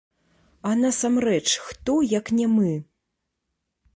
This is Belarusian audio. А насамрэч, хто, як не мы?!